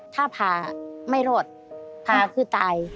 ถ้าผ่าไม่รอดผ่าคือตาย